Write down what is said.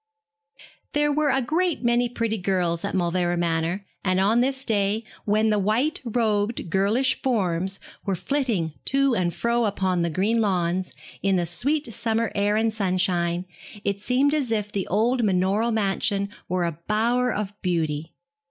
There were a great many pretty girls at Mauleverer Manor, and on this day, when the white robed girlish forms were flitting to and fro upon the green lawns, in the sweet summer air and sunshine, it seemed as if the old manorial mansion were a bower of beauty.